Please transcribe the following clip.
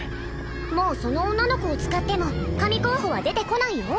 もうその女の子を使っても神候補は出てこないよ